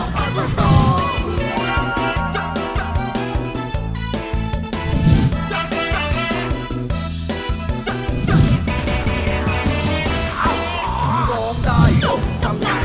ถ้าเจอเธอที่หน้าอาย